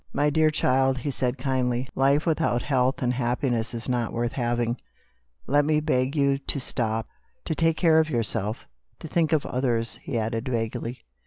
"My dear child," he said kindly, "life without health and happiness is not worth having. Let me beg you to stop, to take care of yourself, to think of others," he added vaguely.